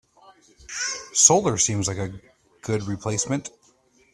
Solar seems like a good replacement.